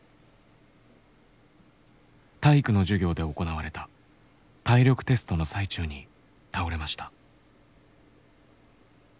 体育の授業で行われた体力テストの最中に倒れました。